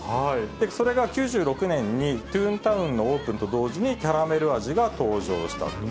それが９６年に、トゥーンタウンのオープンと同時に、キャラメル味が登場したと。